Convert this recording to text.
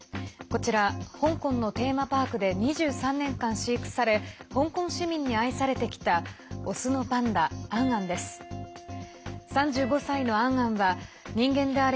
こちら、香港のテーマパークで２３年間飼育され香港市民に愛されてきたオスのパンダ、アンアンです。